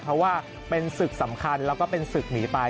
เพราะว่าเป็นศึกสำคัญแล้วก็เป็นศึกหนีไป